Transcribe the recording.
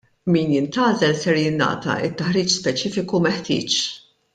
Min jintgħażel ser jingħata t-taħriġ speċifiku meħtieġ.